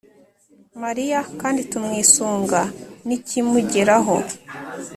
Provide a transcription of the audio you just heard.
mariya kandi tumwisunga. nikimugeraho